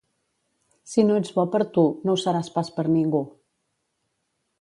Si no ets bo per tu, no ho seràs pas per ningú.